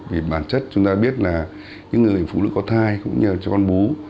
vì bản chất chúng ta biết là những người phụ nữ có thai cũng như là cho con bú